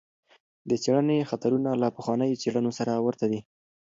د څېړنې خطرونه له پخوانیو څېړنو سره ورته دي.